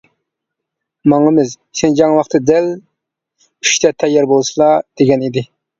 ماڭىمىز، شىنجاڭ ۋاقتى دەل ئۈچتە تەييار بولسىلا دېگەن ئىدى.